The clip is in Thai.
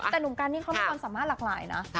แต่หนุ่มกันนี่เขามีความสามารถหลากหลายนะ